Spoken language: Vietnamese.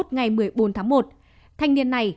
ngày một mươi bốn tháng một thanh niên này